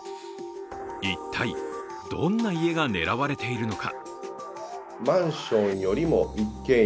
一体どんな家が狙われているのか。